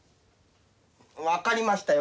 分かりましたよ。